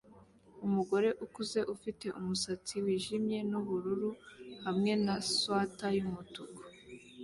Umugore ukuze ufite umusatsi wijimye nubururu hamwe na swater yumutuku